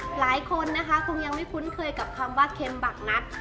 หลายคนนะคะคงยังไม่คุ้นเคยกับคำว่าเค็มบักนัด